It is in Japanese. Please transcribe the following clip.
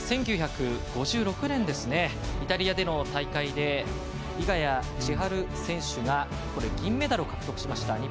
１９５６年イタリアでの大会で猪谷千春選手が銀メダルを獲得しました。